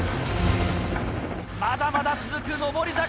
まだまだ続く上り坂。